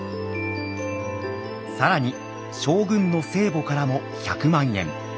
更に将軍の生母からも１００万円。